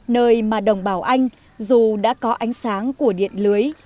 nơi mà đồng bào anh dù đã có ánh sáng của điện lưới